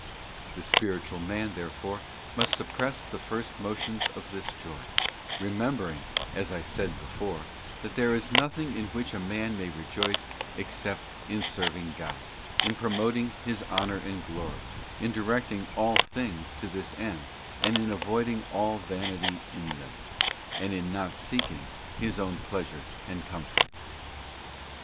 The spiritual man, therefore, must suppress the first motions of this joy, remembering, as I said before, that there is nothing in which a man may rejoice except in serving God, in promoting His Honour and Glory, in directing all things to this end, and in avoiding all vanity in them, and in not seeking his own pleasure and comfort.